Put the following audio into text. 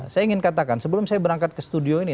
saya ingin katakan sebelum saya berangkat ke studio ini